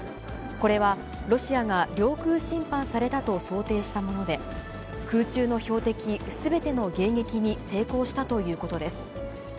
これは、ロシアが領空侵犯されたと想定したもので、空中の標的すべての迎撃に成功したということです。